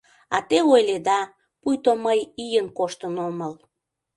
А те ойледа, пуйто мый ийын коштын омыл.